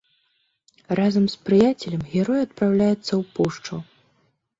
Разам з прыяцелем герой адпраўляецца ў пушчу.